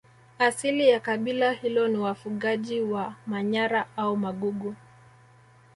Asili ya kabila hilo ni wafugaji wa Manyara au Magugu